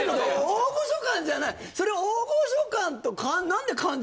大御所感じゃないいや